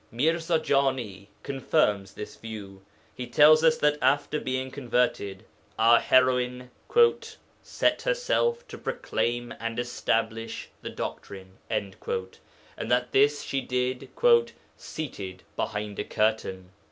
Mirza Jani confirms this view. He tells us that after being converted, our heroine 'set herself to proclaim and establish the doctrine,' and that this she did 'seated behind a curtain.'